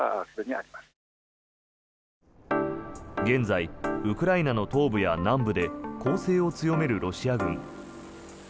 現在ウクライナの東部や南部で攻勢を強めるロシア軍。